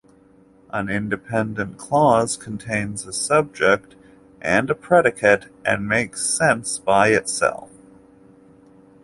An independent clause contains a subject and a predicate and makes sense by itself.